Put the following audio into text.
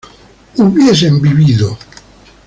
hubiesen vivido